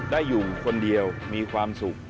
ได้อยู่คนเดียวมีความสุข